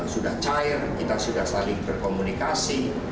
sudah cair kita sudah saling berkomunikasi